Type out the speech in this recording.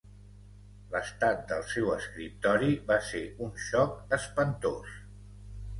L'estat del seu escriptori va ser un xoc espantós.